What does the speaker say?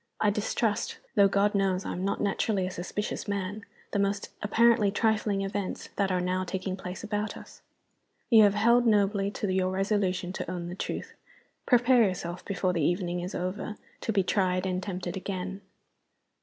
I distrust though God knows I am not naturally a suspicious man the most apparently trifling events that are now taking place about us. You have held nobly to your resolution to own the truth. Prepare yourself, before the evening is over, to be tried and tempted again."